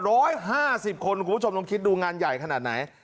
ร้อยห้าสิบคนคุณผู้ชมลองคิดดูงานใหญ่ขนาดไหน